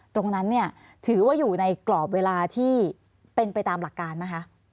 ตรงนั้นเนี่ยถือว่าอยู่ในกรอบเวลาที่เป็นไปตามหลักการไหมคะ